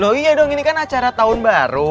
dong iya dong ini kan acara tahun baru